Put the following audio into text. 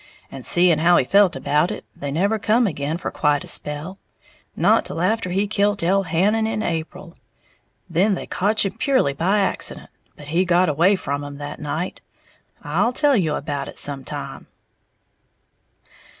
And seeing how he felt about it, they never come again for quite a spell, not till after he kilt Elhannon in April. Then they kotch him purely by accident, but he got away from 'em that night, I'll tell you about it sometime."